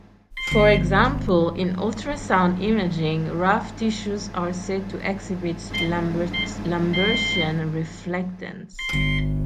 For example, in ultrasound imaging, "rough" tissues are said to exhibit Lambertian reflectance.